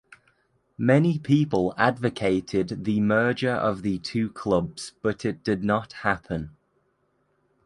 Many people advocated the merger of the two clubs but it did not happen.